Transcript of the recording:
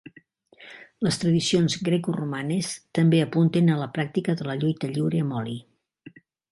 Les tradicions grecoromanes també apunten a la pràctica de la lluita lliure amb oli.